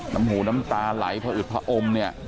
แต่ไม่เจอต้นโผ